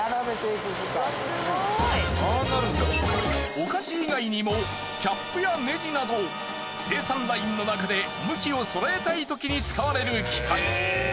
お菓子以外にもキャップやネジなど生産ラインの中で向きを揃えたいときに使われる機械。